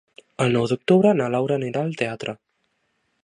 El nou d'octubre na Laura anirà al teatre.